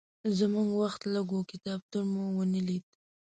زموږ وخت لږ و، کتابتون مو ونه لید.